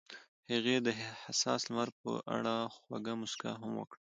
هغې د حساس لمر په اړه خوږه موسکا هم وکړه.